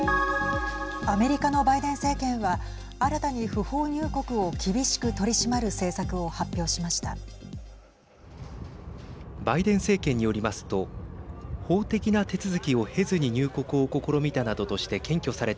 アメリカのバイデン政権は新たに不法入国を厳しく取り締まる政策を発表しました。